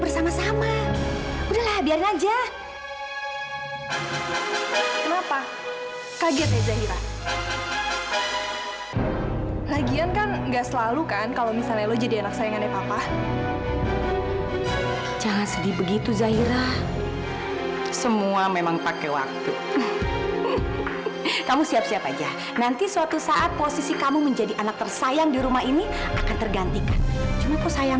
sampai jumpa di video selanjutnya